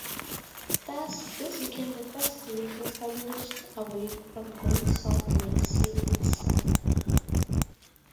Thus, this became the first village established away from Great Salt Lake City itself.